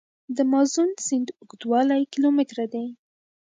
د مازون سیند اوږدوالی کیلومتره دی.